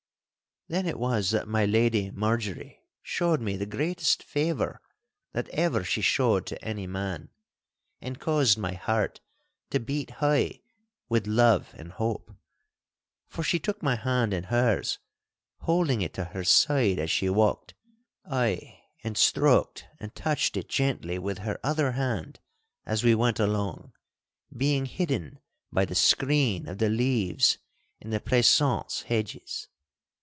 Then it was that my Lady Marjorie showed me the greatest favour that ever she showed to any man, and caused my heart to beat high with love and hope. For she took my hand in hers, holding it to her side as she walked—ay, and stroked and touched it gently with her other hand as we went along, being hidden by the screen of the leaves in the pleasaunce hedges.